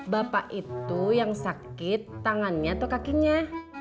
bapak itu yang sakit tangannya atau kakinya